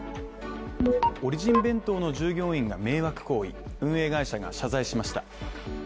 オリジン弁当の従業員が迷惑行為、運営会社が謝罪しました。